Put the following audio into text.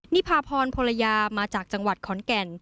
นิพาพรภรรยามาจากจังหวัดขอนแก่น